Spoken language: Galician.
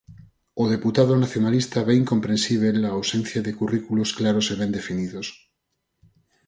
O deputado nacionalista ve "incomprensíbel" a "ausencia" de currículos "claros e ben definidos".